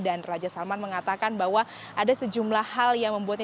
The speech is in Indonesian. dan raja salman mengatakan bahwa ada sejumlah hal yang membuatnya